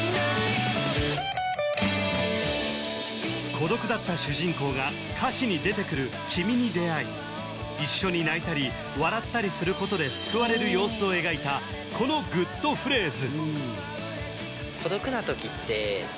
孤独だった主人公が歌詞に出てくる君に出会い一緒に泣いたり笑ったりすることで救われる様子を描いたこのグッとフレーズ